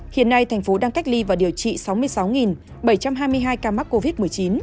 hiện nay thành phố đang cách ly và điều trị sáu mươi sáu bảy trăm hai mươi hai ca mắc covid một mươi chín